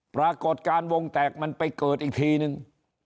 ปรากฏการณ์วงแตกมันไปเกิดอีกทีนึง